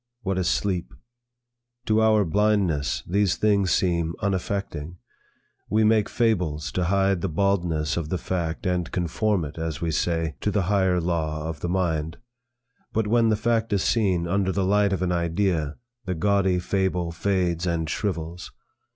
What is sleep? To our blindness, these things seem unaffecting. We make fables to hide the baldness of the fact and conform it, as we say, to the higher law of the mind. But when the fact is seen under the light of an idea, the gaudy fable fades and shrivels.